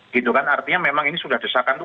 gitu kan artinya memang ini sudah desakan itu